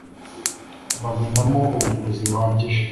babonamo ubuvuzi buhagije